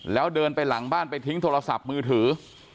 แล้วเดินไปหลังบ้านไปทิ้งโทรศัพท์มือถือ